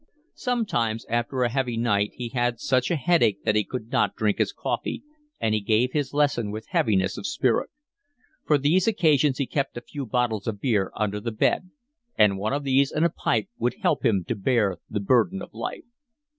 Sometimes after a heavy night he had such a headache that he could not drink his coffee, and he gave his lesson with heaviness of spirit. For these occasions he kept a few bottles of beer under the bed, and one of these and a pipe would help him to bear the burden of life.